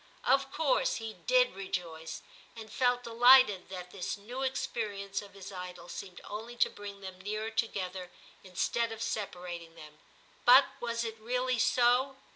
Of course he did rejoice, and felt delighted that this new experience of his idol seemed only to bring them nearer together instead of separating them ; but was it really so?